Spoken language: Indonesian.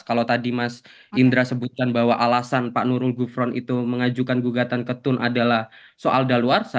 kalau tadi mas indra sebutkan bahwa alasan pak nurul gufron itu mengajukan gugatan ketun adalah soal daluarsa